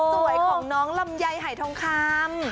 สวยของน้องลำไยหายทองคำ